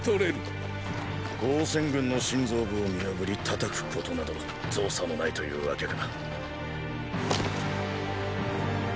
王翦軍の心臓部を見破り叩くことなど造作もないというわけか。